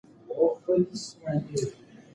موږ خپل کلتوري اصالت نه له لاسه ورکوو.